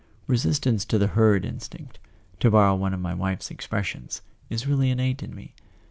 Resistance to the herd instinct (to bor¬ row one of my wife's expressions) is really innate in me.